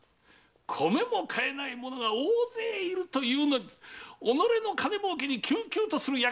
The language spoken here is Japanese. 米も買えない者が大勢いるというのに己の金儲けに汲々とする輩がいるとは！